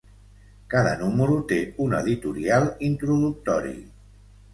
Cada número té un editorial introductori.